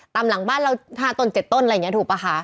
ตามหลังบ้านเรา๕ต้น๗ต้นอะไรอย่างนี้ถูกป่ะคะ